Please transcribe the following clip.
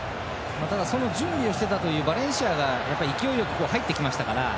準備をしていたバレンシアが勢いよく入ってきましたから。